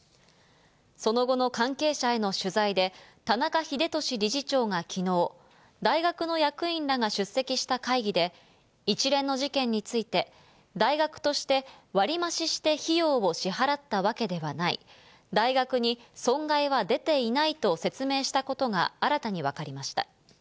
その後の関係者への取材で、田中英壽理事長がきのう、大学の役員らが出席した会議で、一連の事件について、大学として割り増しして費用を支払ったわけではない、大学に損害は出ていないと説明したことが新たに分かりました。